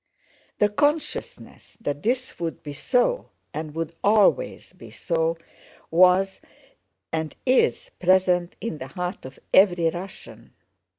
The consciousness that this would be so and would always be so was and is present in the heart of every Russian.